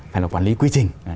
phải là quản lý quy trình